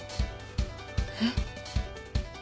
えっ？